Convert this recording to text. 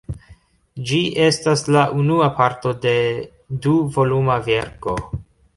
Ĝi estas la unua parto de du-voluma verko.